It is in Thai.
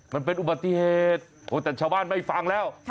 มันเป็นอุบัติเหตุแต่ชาวบ้านไม่ฟังแล้ว